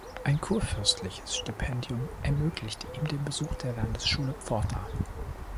Ein kurfürstliches Stipendium ermöglichte ihm den Besuch der Landesschule Pforta.